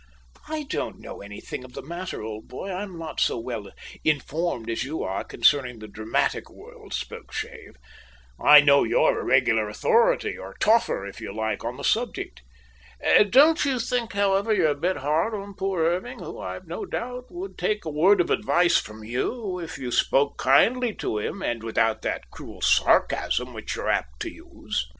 "I don't know anything of the matter, old boy. I am not so well informed as you are concerning the dramatic world, Spokeshave. I know you're a regular authority or `toffer,' if you like, on the subject. Don't you think, however, you're a bit hard on poor Irving, who, I've no doubt, would take a word of advice from you if you spoke kindly to him and without that cruel sarcasm which you're apt to use?"